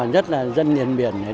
rất là dân nhân biển này